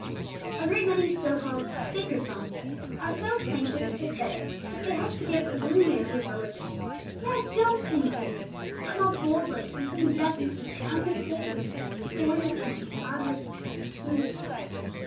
A great many so called 'sacred songs' are so plaintive and pathetic that they help to give a gloomy idea of religion. Now don't sing these; come out boldly, and sing definitely and unmistakeably for your King, and of your King, and to your King.